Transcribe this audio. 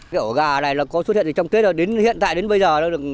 cái ổ gà này có xuất hiện từ trong tết đến hiện tại đến bây giờ